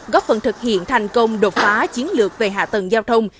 góp phần thực hiện thành công đột phá chiến lược về hạ tầng giao thông